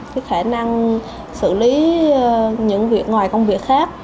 cái khả năng xử lý những việc ngoài công việc khác